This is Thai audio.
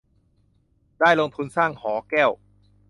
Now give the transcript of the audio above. ได้ลงทุนสร้างหอแก้ว